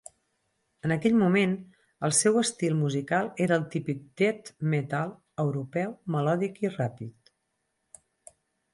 En aquell moment, el seu estil musical era el típic death-metal europeu melòdic i ràpid.